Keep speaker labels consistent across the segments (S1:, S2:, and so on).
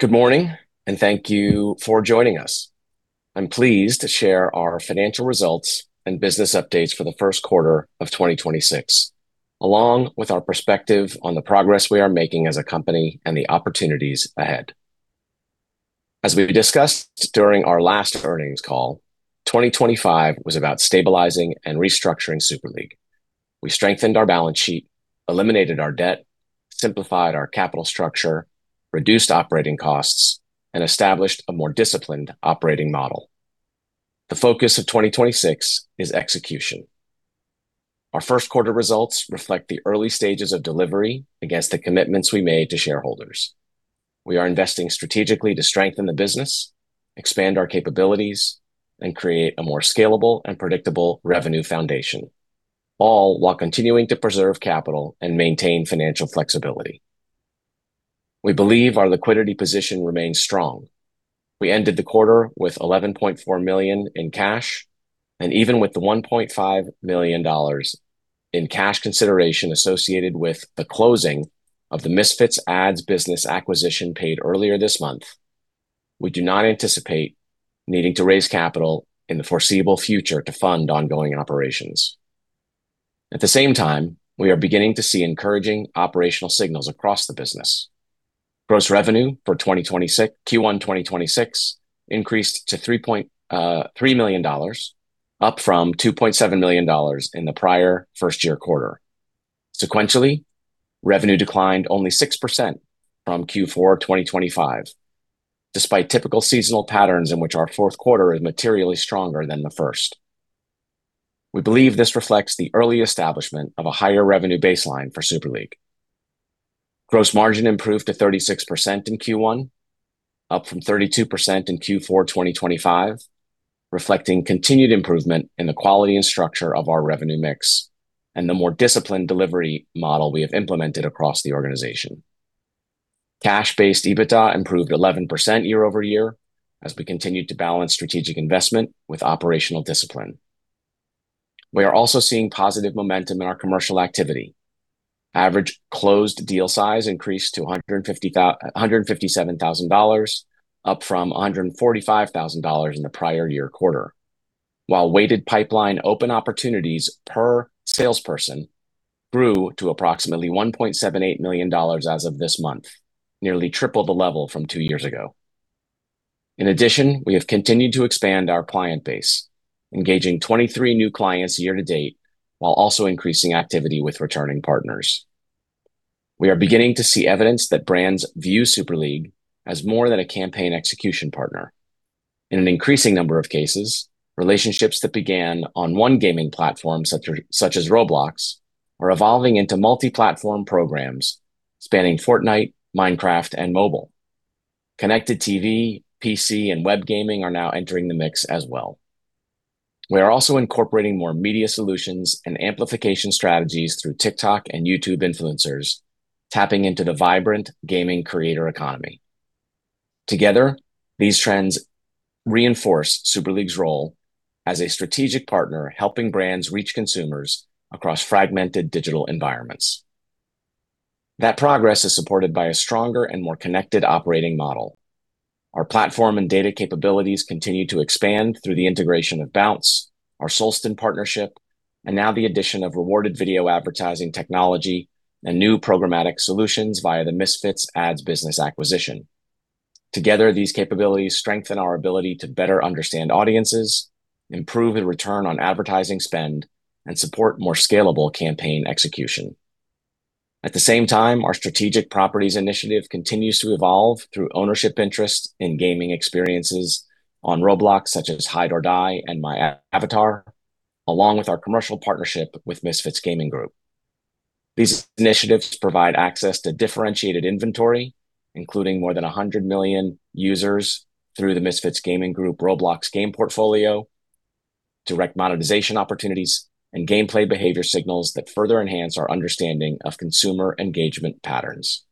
S1: Good morning, and thank you for joining us. I'm pleased to share our financial results and business updates for the first quarter of 2026, along with our perspective on the progress we are making as a company and the opportunities ahead. As we discussed during our last earnings call, 2025 was about stabilizing and restructuring Super League. We strengthened our balance sheet, eliminated our debt, simplified our capital structure, reduced operating costs, and established a more disciplined operating model. The focus of 2026 is execution. Our first quarter results reflect the early stages of delivery against the commitments we made to shareholders. We are investing strategically to strengthen the business, expand our capabilities, and create a more scalable and predictable revenue foundation, all while continuing to preserve capital and maintain financial flexibility. We believe our liquidity position remains strong. We ended the quarter with $11.4 million in cash, and even with the $1.5 million in cash consideration associated with the closing of the Misfits Ads business acquisition paid earlier this month, we do not anticipate needing to raise capital in the foreseeable future to fund ongoing operations. At the same time, we are beginning to see encouraging operational signals across the business. Gross revenue for Q1 2026 increased to $3.3 million, up from $2.7 million in the prior first year quarter. Sequentially, revenue declined only 6% from Q4 2025, despite typical seasonal patterns in which our fourth quarter is materially stronger than the first. We believe this reflects the early establishment of a higher revenue baseline for Super League. Gross margin improved to 36% in Q1, up from 32% in Q4 2025, reflecting continued improvement in the quality and structure of our revenue mix, and the more disciplined delivery model we have implemented across the organization. Cash-based EBITDA improved 11% year-over-year as we continued to balance strategic investment with operational discipline. We are also seeing positive momentum in our commercial activity. Average closed deal size increased to $157,000, up from $145,000 in the prior year quarter. While weighted pipeline open opportunities per salesperson grew to approximately $1.78 million as of this month, nearly triple the level from two years ago. In addition, we have continued to expand our client base, engaging 23 new clients year to date, while also increasing activity with returning partners. We are beginning to see evidence that brands view Super League as more than a campaign execution partner. In an increasing number of cases, relationships that began on one gaming platform such as Roblox are evolving into multi-platform programs spanning Fortnite, Minecraft, and mobile. Connected TV, PC, and web gaming are now entering the mix as well. We are also incorporating more media solutions and amplification strategies through TikTok and YouTube influencers, tapping into the vibrant gaming creator economy. Together, these trends reinforce Super League's role as a strategic partner, helping brands reach consumers across fragmented digital environments. That progress is supported by a stronger and more connected operating model. Our platform and data capabilities continue to expand through the integration of Bounce, our Solsten partnership, and now the addition of rewarded video advertising technology and new programmatic solutions via the Misfits Ads business acquisition. Together, these capabilities strengthen our ability to better understand audiences, improve the return on advertising spend, and support more scalable campaign execution. At the same time, our strategic properties initiative continues to evolve through ownership interest in gaming experiences on Roblox, such as Hide or Die and My Avatar, along with our commercial partnership with Misfits Gaming Group. These initiatives provide access to differentiated inventory, including more than 100 million users through the Misfits Gaming Group Roblox game portfolio, direct monetization opportunities, and gameplay behavior signals that further enhance our understanding of consumer engagement patterns.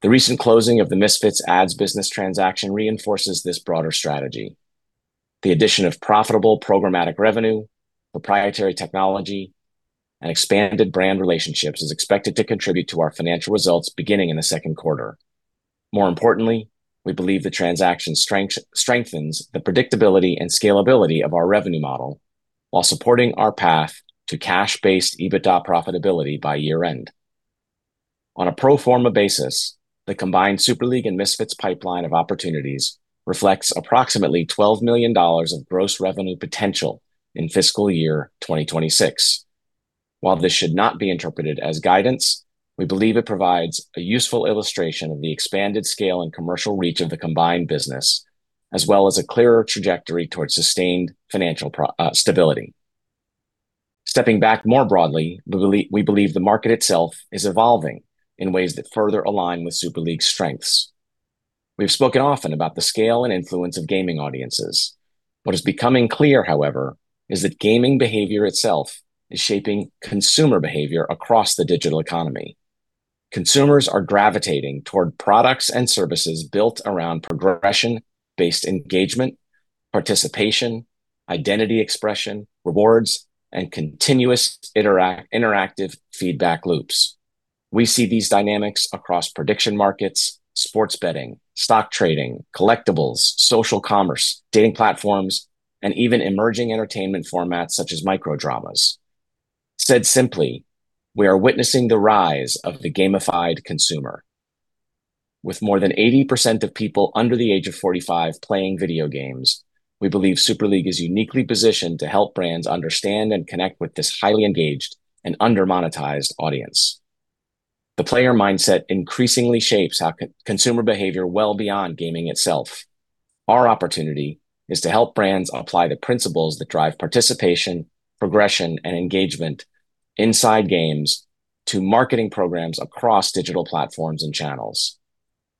S1: The recent closing of the Misfits Ads business transaction reinforces this broader strategy. The addition of profitable programmatic revenue, proprietary technology, and expanded brand relationships is expected to contribute to our financial results beginning in the second quarter. More importantly, we believe the transaction strengthens the predictability and scalability of our revenue model while supporting our path to cash-based EBITDA profitability by year-end. On a pro forma basis, the combined Super League and Misfits pipeline of opportunities reflects approximately $12 million of gross revenue potential in fiscal year 2026. While this should not be interpreted as guidance, we believe it provides a useful illustration of the expanded scale and commercial reach of the combined business, as well as a clearer trajectory towards sustained financial pro stability. Stepping back more broadly, we believe the market itself is evolving in ways that further align with Super League's strengths. We've spoken often about the scale and influence of gaming audiences. What is becoming clear, however, is that gaming behavior itself is shaping consumer behavior across the digital economy. Consumers are gravitating toward products and services built around progression, based engagement, participation, identity expression, rewards, and continuous interactive feedback loops. We see these dynamics across prediction markets, sports betting, stock trading, collectibles, social commerce, dating platforms, and even emerging entertainment formats such as micro dramas. Said simply, we are witnessing the rise of the gamified consumer. With more than 80% of people under the age of 45 playing video games, we believe Super League is uniquely positioned to help brands understand and connect with this highly engaged and under-monetized audience. The player mindset increasingly shapes how consumer behavior well beyond gaming itself. Our opportunity is to help brands apply the principles that drive participation, progression, and engagement inside games to marketing programs across digital platforms and channels.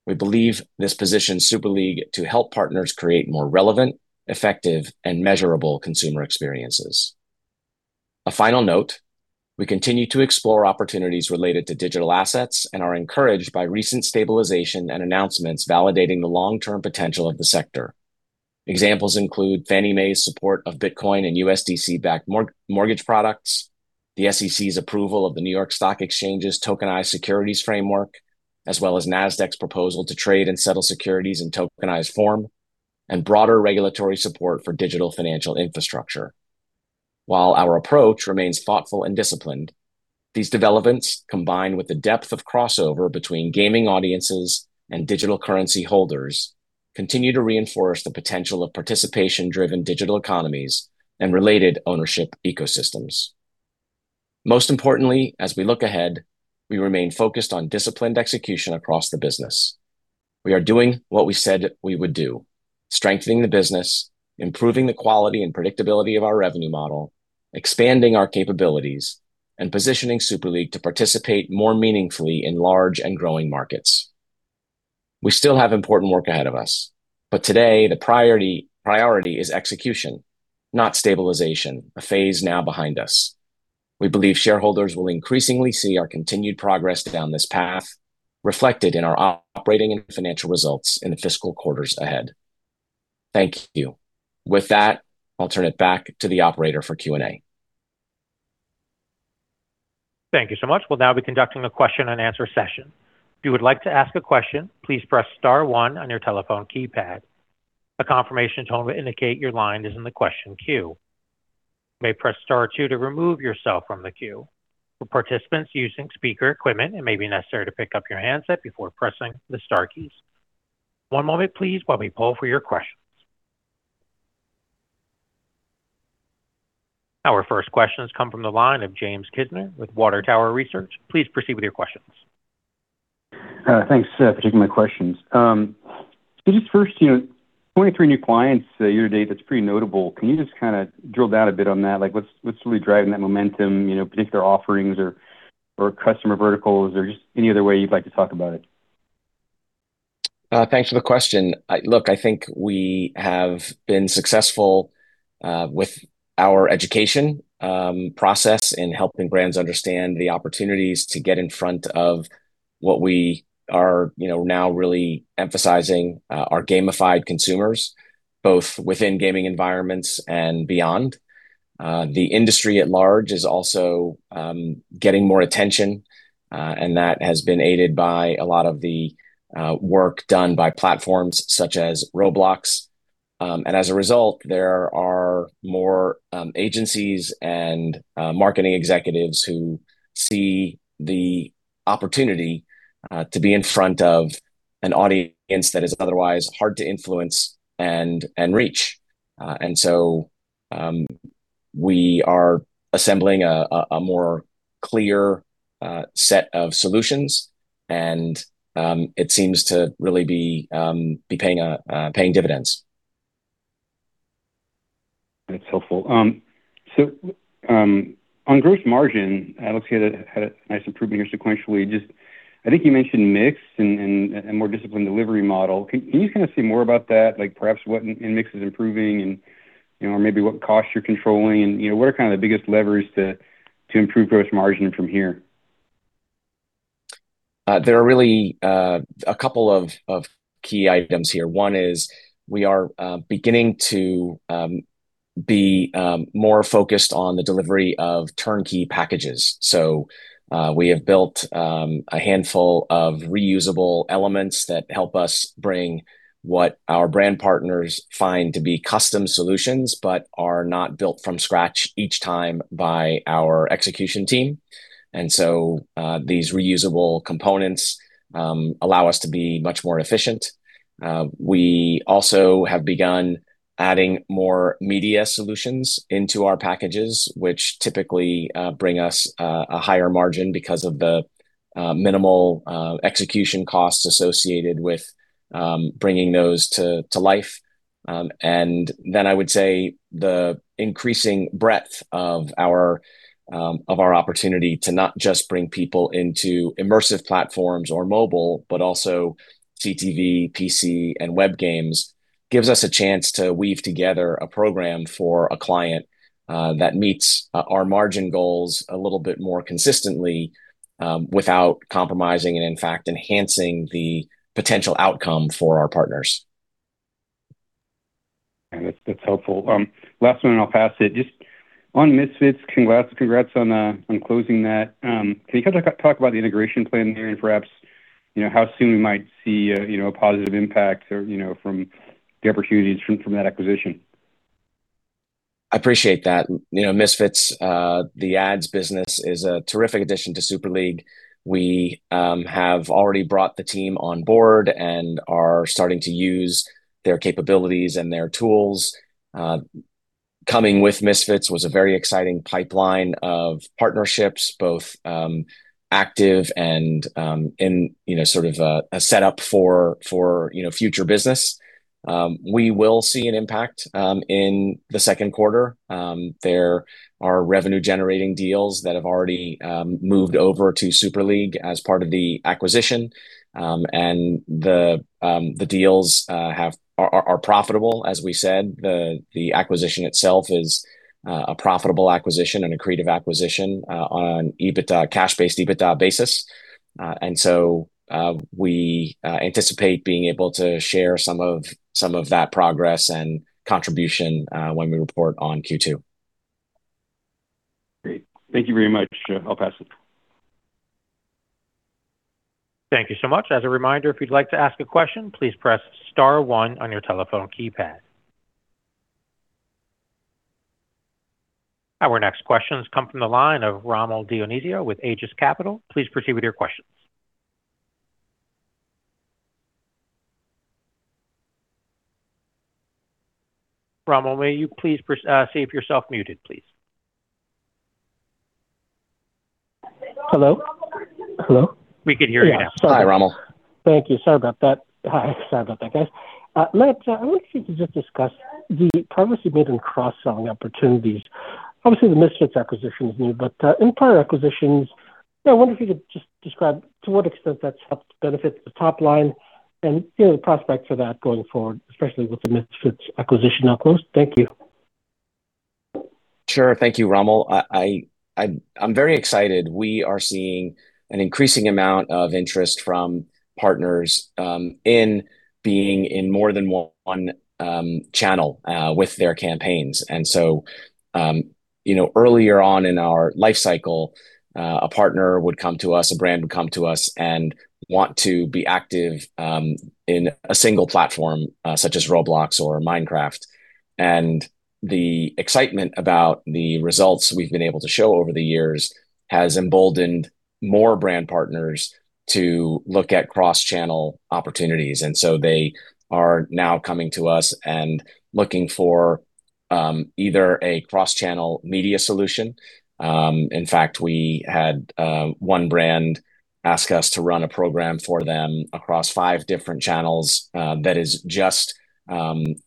S1: We believe this positions Super League to help partners create more relevant, effective, and measurable consumer experiences. A final note, we continue to explore opportunities related to digital assets and are encouraged by recent stabilization and announcements validating the long-term potential of the sector. Examples include Fannie Mae's support of Bitcoin and USDC-backed mortgage products, the SEC's approval of the New York Stock Exchange's tokenized securities framework, as well as Nasdaq's proposal to trade and settle securities in tokenized form, and broader regulatory support for digital financial infrastructure. While our approach remains thoughtful and disciplined, these developments, combined with the depth of crossover between gaming audiences and digital currency holders, continue to reinforce the potential of participation-driven digital economies and related ownership ecosystems. Most importantly, as we look ahead, we remain focused on disciplined execution across the business. We are doing what we said we would do, strengthening the business, improving the quality and predictability of our revenue model, expanding our capabilities, and positioning Super League to participate more meaningfully in large and growing markets. We still have important work ahead of us, but today the priority is execution, not stabilization, a phase now behind us. We believe shareholders will increasingly see our continued progress down this path reflected in our operating and financial results in the fiscal quarters ahead. Thank you. With that, I'll turn it back to the operator for Q&A.
S2: Thank you so much. We will now be conducting a question and answer session. If you would like to ask a question, please press star one on your telephone keypad. A confirmation tone will indicate your line is in the question queue. You may press star two to remove yourself from the queue. For participants using speaker equipment, it may be necessary to pick up your handset before pressing the star keys. One moment please while we poll for your questions. Our first question has come from the line of James Kisner with Water Tower Research. Please proceed with your questions.
S3: Thanks for taking my questions. Just first, you know, pointing at three new clients year to date, that's pretty notable. Can you just kinda drill down a bit on that? Like, what's really driving that momentum, you know, particular offerings or customer verticals, or just any other way you'd like to talk about it?
S1: Thanks for the question. Look, I think we have been successful with our education process in helping brands understand the opportunities to get in front of what we are, you know, now really emphasizing our gamified consumers, both within gaming environments and beyond. The industry at large is also getting more attention, and that has been aided by a lot of the work done by platforms such as Roblox. As a result, there are more agencies and marketing executives who see the opportunity to be in front of an audience that is otherwise hard to influence and reach. We are assembling a more clear set of solutions, and it seems to really be paying dividends.
S3: That's helpful. On gross margin, it looks you had a nice improvement here sequentially. Just, I think you mentioned mix and a more disciplined delivery model. Can you just kinda say more about that, like perhaps what in mix is improving and, you know, or maybe what costs you're controlling and, you know, what are kinda the biggest levers to improve gross margin from here?
S1: There are really a couple of key items here. One is we are beginning to be more focused on the delivery of turnkey packages. We have built a handful of reusable elements that help us bring what our brand partners find to be custom solutions, but are not built from scratch each time by our execution team. These reusable components allow us to be much more efficient. We also have begun adding more media solutions into our packages, which typically bring us a higher margin because of the minimal execution costs associated with bringing those to life. I would say the increasing breadth of our opportunity to not just bring people into immersive platforms or mobile, but also CTV, PC, and web games, gives us a chance to weave together a program for a client that meets our margin goals a little bit more consistently without compromising and, in fact, enhancing the potential outcome for our partners.
S3: That's helpful. Last one, I'll pass it. Just on Misfits, congrats on closing that. Can you kind of like talk about the integration plan there and perhaps, you know, how soon we might see a, you know, a positive impact or, you know, from the opportunities from that acquisition?
S1: I appreciate that. Misfits Ads business is a terrific addition to Super League. We have already brought the team on board and are starting to use their capabilities and their tools. Coming with Misfits was a very exciting pipeline of partnerships, both active and in sort of a setup for future business. We will see an impact in the second quarter. There are revenue-generating deals that have already moved over to Super League as part of the acquisition. The deals are profitable, as we said. The acquisition itself is a profitable acquisition and accretive acquisition on EBITDA, cash-based EBITDA basis. We anticipate being able to share some of that progress and contribution, when we report on Q2.
S3: Great. Thank you very much. I'll pass it.
S2: Thank you so much. As a reminder, if you'd like to ask a question, please press star one on your telephone keypad. Our next questions come from the line of Rommel Dionisio with Aegis Capital. Please proceed with your questions. Rommel, may you please see if you're self muted, please.
S4: Hello? Hello?
S2: We can hear you now.
S1: Yeah.
S4: Sorry.
S2: Hi, Rommel.
S4: Thank you. Sorry about that. Hi. Sorry about that, guys. Matt, I wonder if you could just discuss the [privacy bidding] cross-selling opportunities. Obviously, the Misfits acquisition is new, but in prior acquisitions, you know, I wonder if you could just describe to what extent that's helped benefit the top line and, you know, the prospect for that going forward, especially with the Misfits acquisition now closed. Thank you.
S1: Sure. Thank you, Rommel. I'm very excited. We are seeing an increasing amount of interest from partners in being in more than one channel with their campaigns. You know, earlier on in our life cycle, a partner would come to us, a brand would come to us and want to be active in a single platform, such as Roblox or Minecraft. The excitement about the results we've been able to show over the years has emboldened more brand partners to look at cross-channel opportunities. They are now coming to us and looking for either a cross-channel media solution. In fact, we had one brand ask us to run a program for them across five different channels, that is just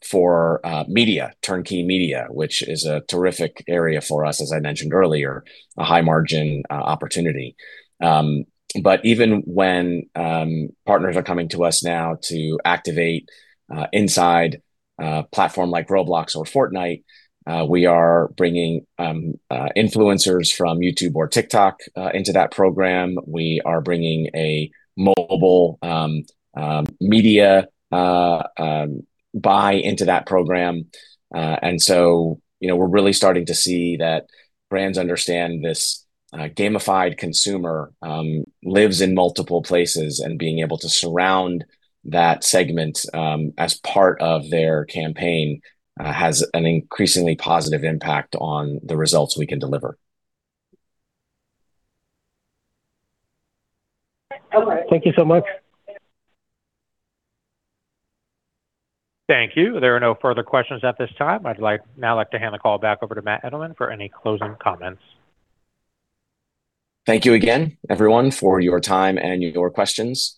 S1: for media, turnkey media, which is a terrific area for us, as I mentioned earlier, a high-margin opportunity. But even when partners are coming to us now to activate inside a platform like Roblox or Fortnite, we are bringing influencers from YouTube or TikTok into that program. We are bringing a mobile media buy into that program. You know, we're really starting to see that brands understand this gamified consumer lives in multiple places, and being able to surround that segment as part of their campaign has an increasingly positive impact on the results we can deliver.
S4: Thank you so much.
S2: Thank you. There are no further questions at this time. I'd like now like to hand the call back over to Matt Edelman for any closing comments.
S1: Thank you again, everyone, for your time and your questions.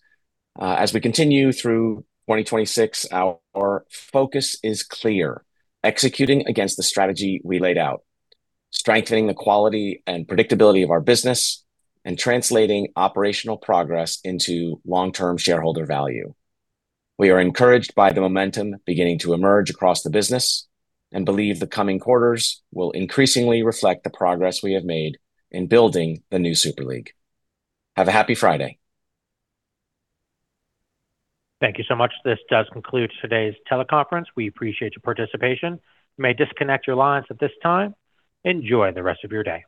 S1: As we continue through 2026, our focus is clear: executing against the strategy we laid out, strengthening the quality and predictability of our business, and translating operational progress into long-term shareholder value. We are encouraged by the momentum beginning to emerge across the business and believe the coming quarters will increasingly reflect the progress we have made in building the new Super League. Have a happy Friday.
S2: Thank you so much. This does conclude today's teleconference. We appreciate your participation. You may disconnect your lines at this time. Enjoy the rest of your day.